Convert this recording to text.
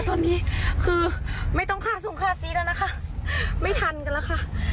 ตอนนี้คือไม่ต้องค่าส่งค่าซีแล้วนะคะไม่ทันกันแล้วค่ะ